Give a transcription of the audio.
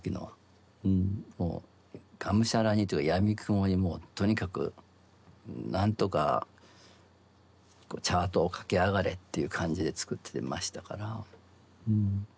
もうがむしゃらにというかやみくもにもうとにかく何とかチャートを駆け上がれっていう感じでつくってましたからうん。